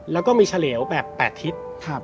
แล้วก็มีเฉลวแบบ๘ทิศ